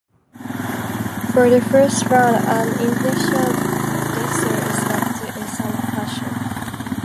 For the first round an initial guesser is selected in some fashion.